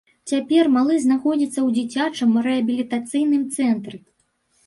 Цяпер малы знаходзіцца ў дзіцячым рэабілітацыйным цэнтры.